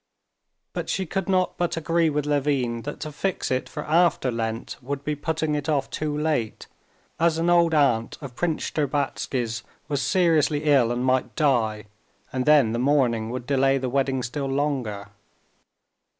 But she could not but agree with Levin that to fix it for after Lent would be putting it off too late, as an old aunt of Prince Shtcherbatsky's was seriously ill and might die, and then the mourning would delay the wedding still longer.